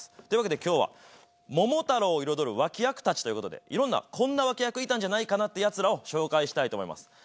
というわけで今日は「桃太郎」を彩る脇役たちという事でいろんなこんな脇役いたんじゃないかなってやつらを紹介したいと思います。